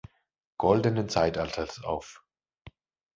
Goldenen Zeitalters auf.